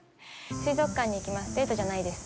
水族館に行きますデートじゃないです。